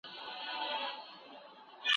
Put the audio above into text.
هر عمل یو ځانګړی هدف لري.